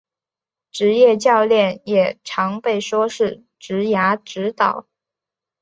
职涯教练也常被说是职涯指导。